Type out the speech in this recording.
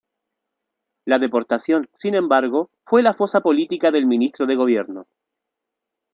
La deportación, sin embargo, fue la fosa política del Ministro de Gobierno.